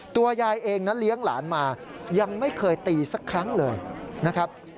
ตัวยายเองนั้นเลี้ยงหลานมายังไม่เคยตีสักครั้งเลยนะครับ